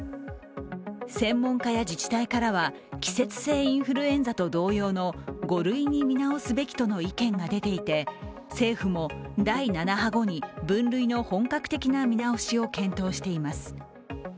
専門家や自治体からは、季節性インフルエンザと同様の５類に見直すべきとの意見が出ていて政府も第７波後に分類の本格的な見直しを検討しています。